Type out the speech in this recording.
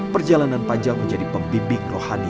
perjalanan panjang menjadi pembimbing rohani